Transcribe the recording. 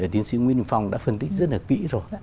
tiến sĩ nguyễn đình phong đã phân tích rất là kỹ rồi